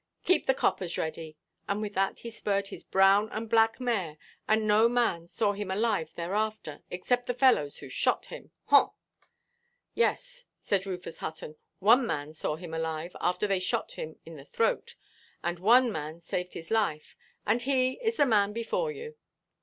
Keep the coppers ready.' And with that he spurred his brown and black mare; and no man saw him alive thereafter, except the fellows who shot him. Haw!" "Yes," said Rufus Hutton, "one man saw him alive, after they shot him in the throat, and one man saved his life; and he is the man before you."